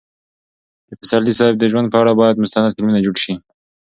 د پسرلي صاحب د ژوند په اړه باید مستند فلمونه جوړ شي.